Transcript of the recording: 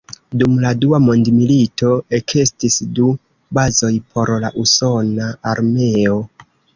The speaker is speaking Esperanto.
Dum la dua mondmilito ekestis du bazoj por la usona armeo.